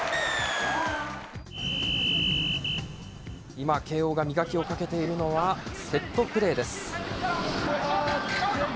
今、慶応が磨きをかけているのはセットプレーです。